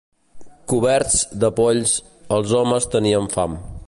Coberts de polls, els homes tenien fam.